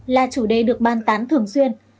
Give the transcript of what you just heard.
là chủ đề được ban tán thường xuyên